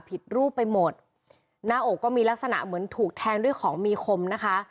ผิดรูปไปหมดหน้าอกก็มีลักษณะเหมือนถูกแทงด้วยของมีคมนะคะ